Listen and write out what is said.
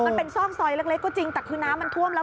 มันเป็นซ่อมซอยเลือกเล็กก็จริงแต่คือน้ำมันทวมแล้ว